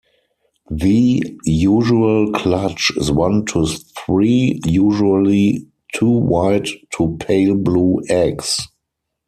The usual clutch is one to three, usually two white to pale blue eggs.